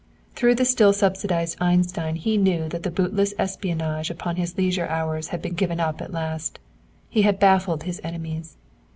Through the still subsidized Einstein he knew that the bootless espionage upon his leisure hours had been given up at last. He had baffled his enemies.